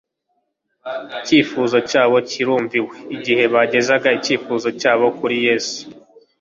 Icyifuzo cyabo cyarumviwe. Igihe bagezaga icyifuzo cyabo kuri Yesu,